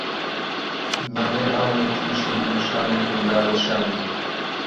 لە ڕێی ئاوێ تووشی بووم شانێکم دا لە شانی